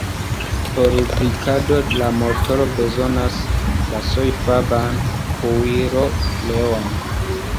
Por lubrikado la motoro bezonas sojfaban kuiroleon.